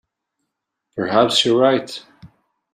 Perhaps you're right.